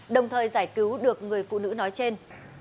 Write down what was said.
đồng thời giải cứu được người phụ nữ nói trên